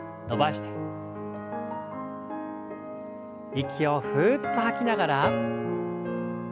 息をふっと吐きながら。